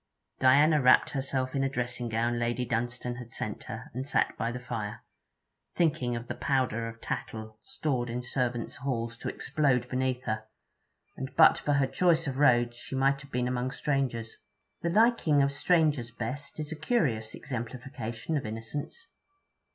Diana wrapped herself in a dressing gown Lady Dunstane had sent her, and sat by the fire, thinking of the powder of tattle stored in servants' halls to explode beneath her: and but for her choice of roads she might have been among strangers. The liking of strangers best is a curious exemplification of innocence.